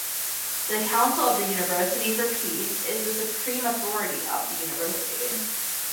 The Council of the University for Peace is the supreme authority of the University.